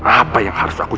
orang yang merupakan